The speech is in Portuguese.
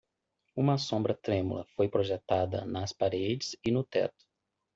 Uma sombra trêmula foi projetada nas paredes e no teto.